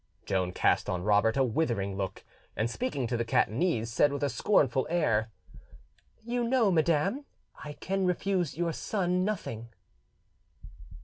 Joan cast on Robert a withering look, and, speaking to the Catanese, said with a scornful air— "You know, madam, I can refuse your son nothing."